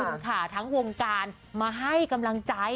คุณค่ะทั้งวงการมาให้กำลังใจ